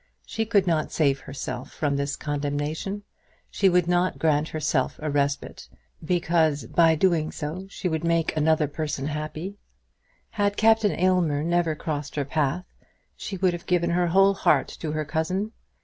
She could not save herself from this condemnation, she would not grant herself a respite because, by doing so, she would make another person happy. Had Captain Aylmer never crossed her path, she would have given her whole heart to her cousin.